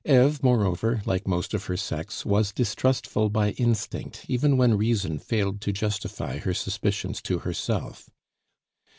Eve, moreover, like most of her sex, was distrustful by instinct, even when reason failed to justify her suspicions to herself.